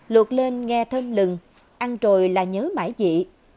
luột lên nghe thơm lừng ăn rồi là nhớ mãi dị